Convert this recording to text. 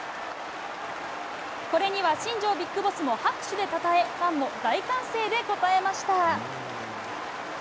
これには新庄ビッグボスも拍手でたたえファンも大歓声で応えました。